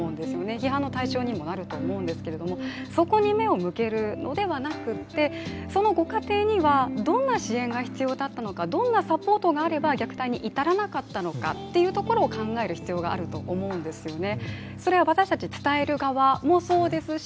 批判の対象にもなると思うんですけども、そこに目を向けるのではなくってそのご家庭にはどんな支援が必要だったかどんなサポートがあれば虐待に至らなかったのかを考える必要があると思うんですね。